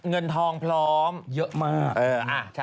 มองพร้อมเยอะมาก